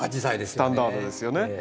スタンダードですよね。